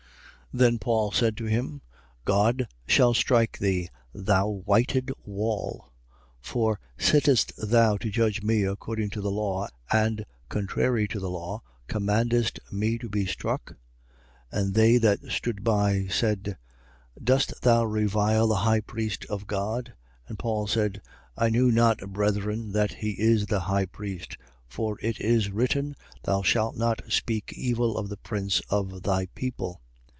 23:3. Then Paul said to him: God shall strike thee, thou whited wall. For, sittest thou to judge me according to the law and, contrary to the law, commandest me to be struck? 23:4. And they that stood by said: Dost thou revile the high priest of God? 23:5. And Paul said: I knew not, brethren, that he is the high priest. For it is written: Thou shalt not speak evil of the prince of thy people.